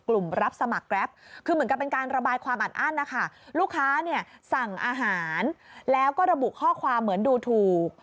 ลูกค้าสั่งอาหารแล้วก็ระบุข้อความเหมือนดูถูก